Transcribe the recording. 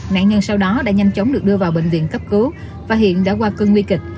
nạn nhân sau đó đã nhanh chóng được đưa vào bệnh viện cấp cứu và hiện đã qua cơn nguy kịch